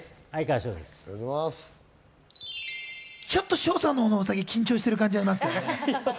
ちょっと翔さんのほうのウサギ、緊張してる感じがありますね。